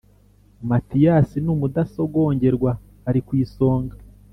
matiyasi ni umudasongerwa ari ku isonga.